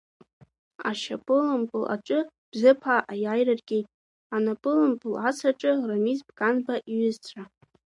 Ашьапылампыл аҿы Бзыԥаа аиааира ргеит, анапылампыл асраҿы Рамиз Бганба иҩызцәа.